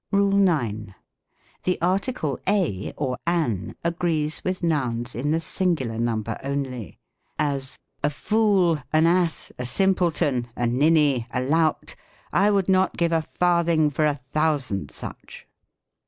RULE IX. The article a or an agrees with nouns in the singular number oaly : as, " A fool, an ass, a simpleton, a nin SYNTAX. 87 ny, & lout — I would not give a farthing for a thousand such."